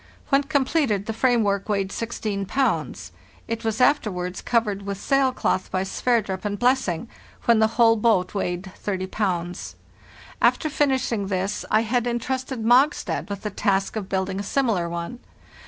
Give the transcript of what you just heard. When com pleted the frame work weighed 16 pounds. It was after wards covered with sail cloth by Sverdrup and Blessing, when the whole boat weighed 30 pounds. After finishing this I had intrusted Mogstad with the task of building a similar one.